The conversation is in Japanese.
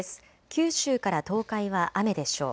九州から東海は雨でしょう。